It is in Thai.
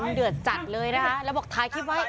เอ็มเดือดจัดเลยนะแล้วบอกท้ายคลิปไว้